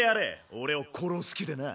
俺を殺す気でな。